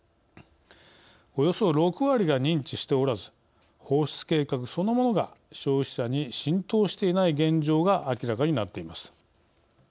およそ６割が認知しておらず放出計画そのものが消費者に浸透していない現状が明らかになっています。